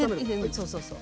そうそうそう。